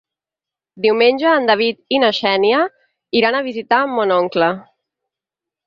Diumenge en David i na Xènia iran a visitar mon oncle.